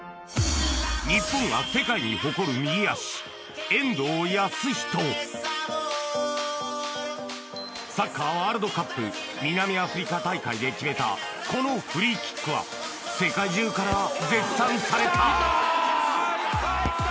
日本が世界に誇る右足サッカーワールドカップ南アフリカ大会で決めたこのフリーキックは世界中から絶賛された・いった！